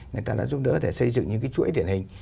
người ta đã giúp đỡ để xây dựng những cái chuỗi điển hình